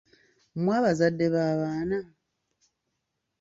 Mmwe abazadde b'abaana?